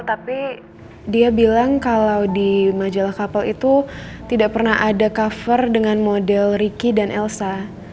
tapi dia bilang kalau di majalah kapal itu tidak pernah ada cover dengan model ricky dan elsa